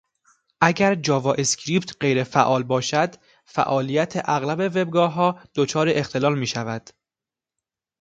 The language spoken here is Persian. اگر جاوااسکریپت غیرفعال باشد، فعالیت اغلب وبگاهها دچار اختلال میشود.